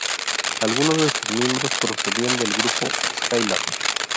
Algunos de sus miembros procedían del grupo "Skylab".